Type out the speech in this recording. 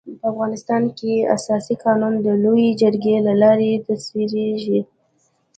په افغانستان کي اساسي قانون د لويي جرګي د لاري تصويبيږي.